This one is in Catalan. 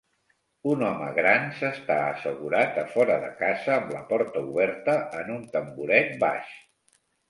Un home gran s'està assegurat a fora de casa amb la porta oberta en un tamboret baix